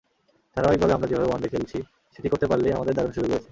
ধারাবাহিকভাবে আমরা যেভাবে ওয়ানডে খেলছি, সেটি করতে পারলেই আমাদের দারুণ সুযোগ রয়েছে।